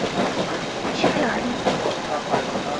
屈佩尔利。